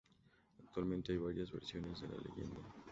Actualmente hay varias versiones de la leyenda.